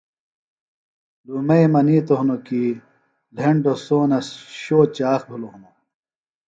لُومئی منِیتوۡ ہنوۡ کیۡ لھیۡنڈوۡ سونہ شو چاخ بِھلوۡ ہنوۡ